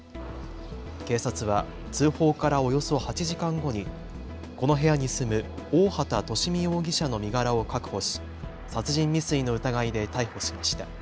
警察は通報からおよそ８時間後にこの部屋に住む大畑利美容疑者の身柄を確保し殺人未遂の疑いで逮捕しました。